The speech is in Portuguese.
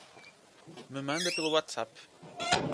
Me manda pelo Whatsapp